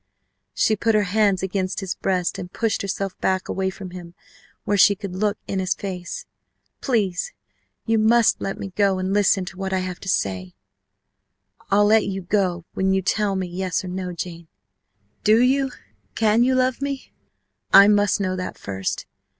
_" She put her hands against his breast and pushed herself back away from him where she could look in his face. "Please, you must let me go and listen to what I have to say!" "I'll let you go when you tell me yes or no, Jane. Do you, can you love me? I must know that first.